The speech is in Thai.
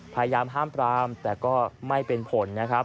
พยายามห้ามปรามแต่ก็ไม่เป็นผลนะครับ